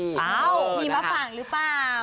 อ้าวมีมาฝั่งหรือเปล่า